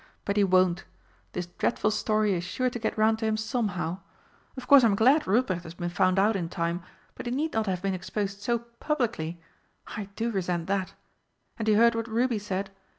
But he won't. This dreadful story is sure to get round to him somehow. Of course I'm glad Ruprecht has been found out in time. But he need not have been exposed so publicly! I do resent that. And you heard what Ruby said?